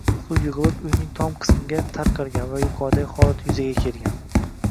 Suv yigʻilib, uyning tom qismiga tarqalgan va yuqoridagi holat yuzaga kelgan.